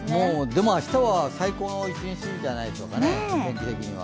でも明日は最高の一日じゃないですかね、天気的には。